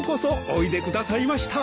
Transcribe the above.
おいでくださいました。